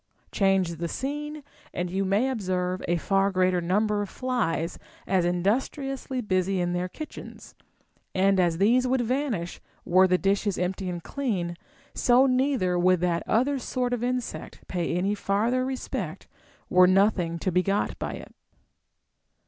Change the scene, and you may observe a far greater number of flies as industriously busy in their kitchens ; and as these would vanish, were the dishes empty and clean, so neither * II. IX. 482. OF THE FOLLY OF SEEKING MANY FRIENDS. 467 would that other sort of insect pay any farther respect, were nothing to be got by it.